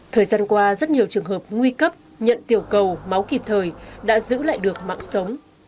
thời gian qua rất nhiều trường hợp nguy cấp nhận tiểu cầu máu kịp thời đã giữ lại được mạng sống